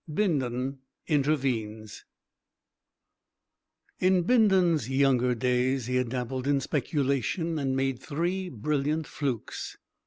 V BINDON INTERVENES In Bindon's younger days he had dabbled in speculation and made three brilliant flukes.